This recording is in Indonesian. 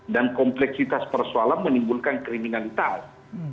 dan kompleksitas persoalan menimbulkan kriminalitas